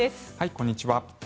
こんにちは。